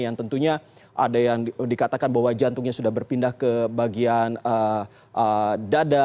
yang tentunya ada yang dikatakan bahwa jantungnya sudah berpindah ke bagian dada